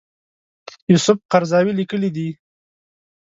یوسف قرضاوي لیکلي دي.